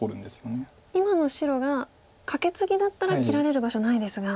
今の白がカケツギだったら切られる場所ないですが。